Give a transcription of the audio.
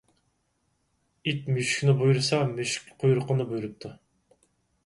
ئىت مۈشۈكنى بۇيرۇسا، مۈشۈك قويرۇقىنى بۇيرۇپتۇ.